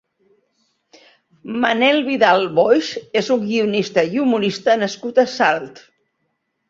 Manel Vidal Boix és un guionista i humorista nascut a Salt.